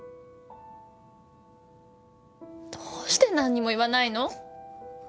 どうして何にも言わないの？